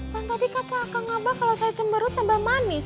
kan tadi kata akang abah kalo saya cemberut tambah manis